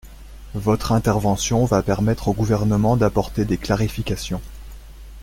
Votre intervention va permettre au Gouvernement d’apporter des clarifications.